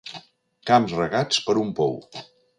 Camps regats per un pou.